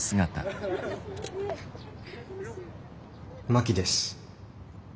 真木です。